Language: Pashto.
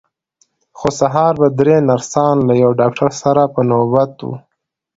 خو سهار به درې نرسان له یوه ډاکټر سره په نوبت وو.